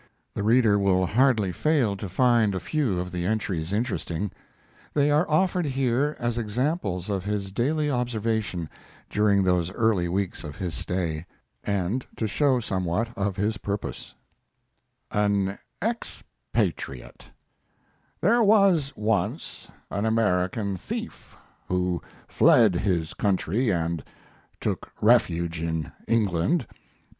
The reader will hardly fail to find a few of the entries interesting. They are offered here as examples of his daily observation during those early weeks of his stay, and to show somewhat of his purpose: AN EXPATRIATE There was once an American thief who fled his country and took refuge in England.